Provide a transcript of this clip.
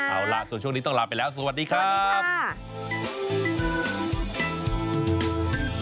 เอาล่ะส่วนช่วงนี้ต้องลาไปแล้วสวัสดีครับ